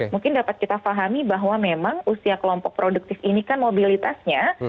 mungkin dapat kita fahami bahwa memang usia kelompok produktif ini kan mobilitasnya